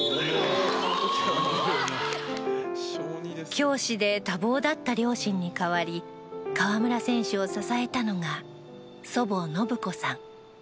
教師で多忙だった両親に代わり河村選手を支えたのが祖母・信子さん。